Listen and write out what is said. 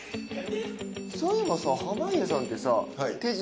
そういえばさ濱家さんってさ手品。